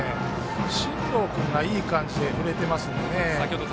進藤君がいい感じで振れていますので。